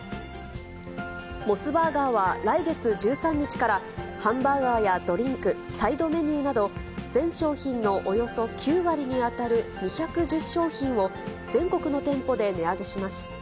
モスバーガーは来月１３日からハンバーガーやドリンク、サイドメニューなど、全商品のおよそ９割に当たる２１０商品を、全国の店舗で値上げします。